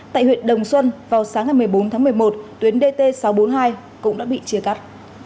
tại huyện đồng xuân vào sáng ngày một mươi bốn tháng một mươi một tuyến dt sáu trăm bốn mươi hai cũng đã bị chia cắt